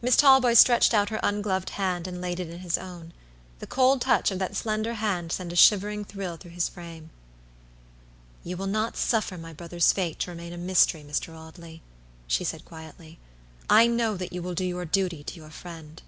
Miss Talboys stretched out her ungloved hand, and laid it in his own. The cold touch of that slender hand sent a shivering thrill through his frame. "You will not suffer my brother's fate to remain a mystery, Mr. Audley," she said, quietly. "I know that you will do your duty to your friend."